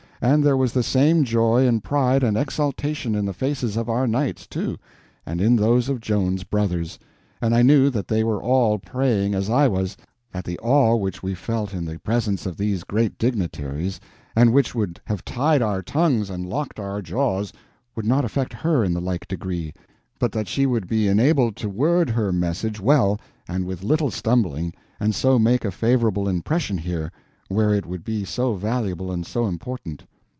And there was the same joy and pride and exultation in the faces of our knights, too, and in those of Joan's brothers. And I knew that they were all praying—as I was—that the awe which we felt in the presence of these great dignitaries, and which would have tied our tongues and locked our jaws, would not affect her in the like degree, but that she would be enabled to word her message well, and with little stumbling, and so make a favorable impression here, where it would be so valuable and so important.